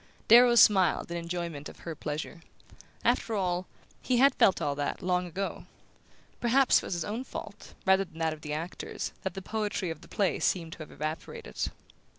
Darrow smiled in enjoyment of her pleasure. After all, he had felt all that, long ago; perhaps it was his own fault, rather than that of the actors, that the poetry of the play seemed to have evaporated...